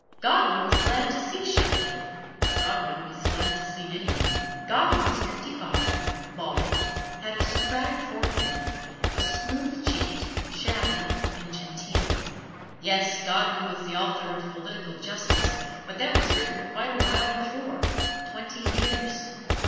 Godwin was glad to see Shelley Godwin was glad to see any one. Godwin was fifty five, bald, had a Socratic forehead, was smooth cheeked, shabby and genteel. Yes, Godwin was the author of "Political Justice" but that was written quite a while before, twenty years!